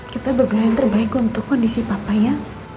kita bergerak yang terbaik untuk kondisi papa ya